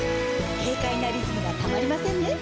軽快なリズムがたまりませんね。